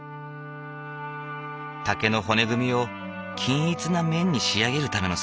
竹の骨組みを均一な面に仕上げるための作業。